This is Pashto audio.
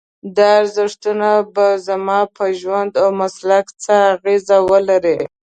دا ارزښتونه به زما په ژوند او مسلک څه اغېز ولري؟